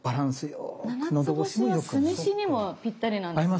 ななつぼしは酢飯にもぴったりなんですね。